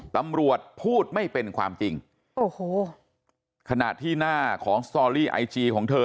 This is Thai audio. ตำรวจพูดไม่เป็นความจริงโอ้โหขนาดที่หน้าของจอรี่ไอจี